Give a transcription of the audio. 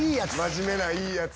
真面目ないいヤツ。